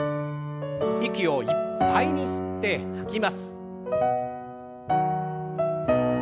息をいっぱいに吸って吐きます。